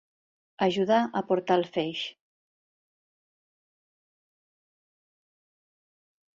Ajudar a portar el feix.